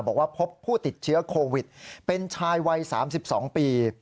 บอกว่าพบผู้ติดเชื้อโควิดเป็นชายวัย๓๒ปี